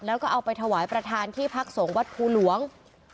แล้วก็เอาไปถวายประธานที่พักสงฆ์วัดภูหลวง